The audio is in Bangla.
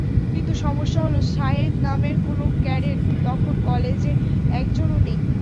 কিন্তু সমস্যা হলো, শাহেদ নামের কোনো ক্যাডেট তখন কলেজে একজনও নেই।